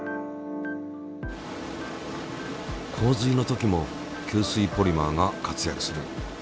洪水の時も吸水ポリマーが活躍する。